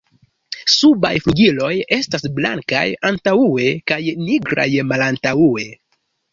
Subaj flugiloj estas blankaj antaŭe kaj nigraj malantaŭe.